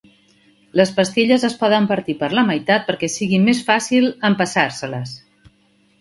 Les pastilles es poden partir per la meitat perquè sigui més fàcil empassar-se-les.